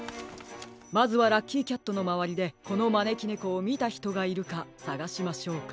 まずはラッキーキャットのまわりでこのまねきねこをみたひとがいるかさがしましょうか。